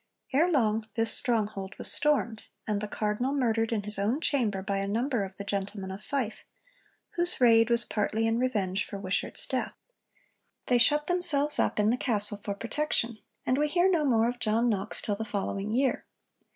Ere long this stronghold was stormed, and the Cardinal murdered in his own chamber by a number of the gentlemen of Fife, whose raid was partly in revenge for Wishart's death. They shut themselves up in the castle for protection, and we hear no more of John Knox till the following year.